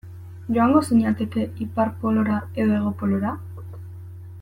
Joango zinateke Ipar Polora edo Hego Polora?